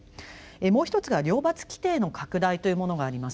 もうひとつが「両罰規定の拡大」というものがあります。